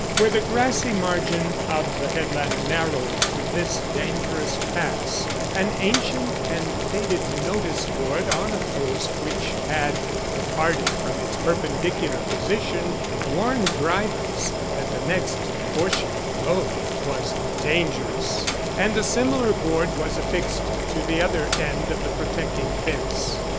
Where the grassy margin of the headland narrowed to this dangerous pass, an ancient and faded notice board on a post which had departed from its perpendicular position warned drivers that the next portion of the road was DANGEROUS, and a similar board was affixed to the other end of the protecting fence.